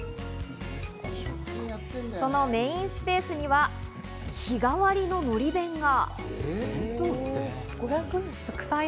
そのメインスペースには日替わりののり弁が。